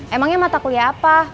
emangnya mata kuliah apa